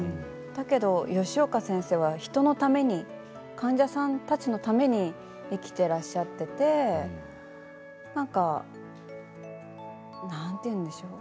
だけど吉岡先生は人のために患者さんたちのために生きていらっしゃっていてなんて言うんでしょう